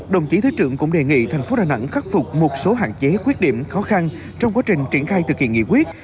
đồng chí thứ trưởng cũng đề nghị thành phố đà nẵng khắc phục một số hạn chế khuyết điểm khó khăn trong quá trình triển khai thực hiện nghị quyết